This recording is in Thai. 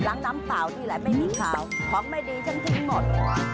น้ำเปล่านี่แหละไม่มีขาวของไม่ดีฉันกินหมด